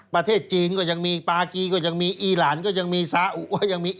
ประเทศจีนก็ยังมีปากีก็ยังมีอีหลานก็ยังมีซาอุก็ยังมี